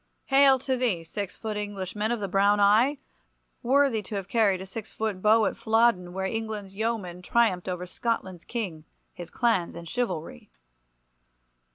Hail to thee, six foot Englishman of the brown eye, worthy to have carried a six foot bow at Flodden, where England's yeomen triumphed over Scotland's King, his clans and chivalry.